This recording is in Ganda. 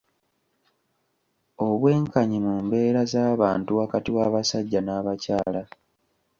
Obwenkanyi mu mbeera z'abantu wakati w'abasajja n'abakyala.